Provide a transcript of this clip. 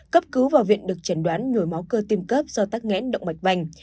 cấp cứu vào viện được chẩn đoán nhồi máu cơ tim cấp do tắc nghẽn động mạch vành